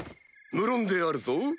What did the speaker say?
無論であるぞ。